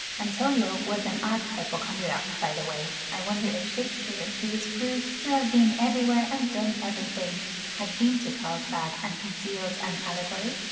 Antonio was an arch hypochondriac, by the way; I wonder if Shakespeare, who is proved to have been everywhere and done everything, had been to Carlsbad and concealed an allegory?